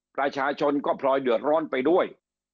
ประชาชนก็พลอยเดือดร้อนไปด้วย